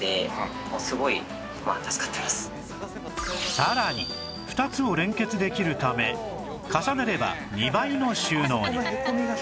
さらに２つを連結できるため重ねれば２倍の収納に